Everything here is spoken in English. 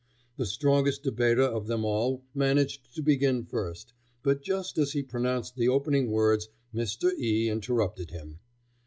The strongest debater of them all managed to begin first, but just as he pronounced the opening words, Mr. E interrupted him.